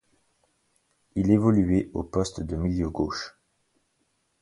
Il évoluait au poste de milieu gauche.